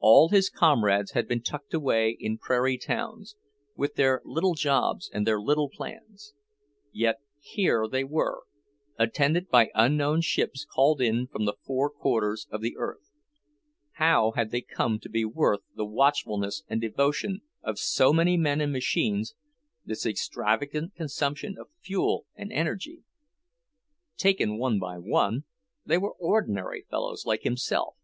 All his comrades had been tucked away in prairie towns, with their little jobs and their little plans. Yet here they were, attended by unknown ships called in from the four quarters of the earth. How had they come to be worth the watchfulness and devotion of so many men and machines, this extravagant consumption of fuel and energy? Taken one by one, they were ordinary fellows like himself.